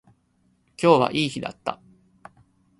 今日はいい日だった